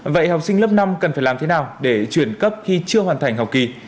vậy học sinh lớp năm cần phải làm thế nào để chuyển cấp khi chưa hoàn thành học kỳ